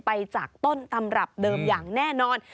ไปจากต้นตำรับเดิมอย่างแน่นอน